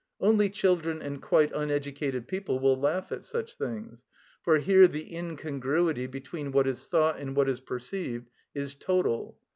Only children and quite uneducated people will laugh at such things; for here the incongruity between what is thought and what is perceived is total.